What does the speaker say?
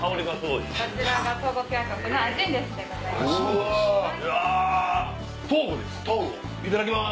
いただきます。